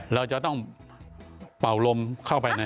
เราจะต้องเป่าลมเข้าไปใน